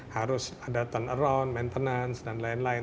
harus ada turnaround maintenance dan lain lain